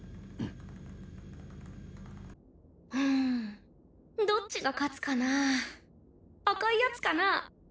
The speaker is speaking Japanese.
うんどっちが勝つかなー赤いヤツかな？